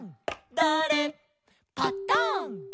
「だれ？パタン」